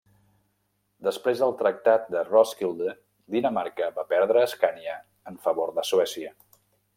Després del Tractat de Roskilde Dinamarca va perdre Escània en favor de Suècia.